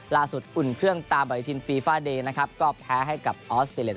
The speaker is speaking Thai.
อุ่นเครื่องตามปฏิทินฟีฟาเดย์นะครับก็แพ้ให้กับออสเตรเลีย